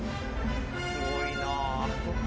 すごいなぁ。